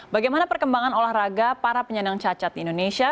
bagaimana perkembangan olahraga para penyandang cacat di indonesia